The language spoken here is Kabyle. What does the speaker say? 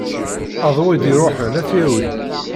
Aḍu i d-iruḥen ad t-yawi.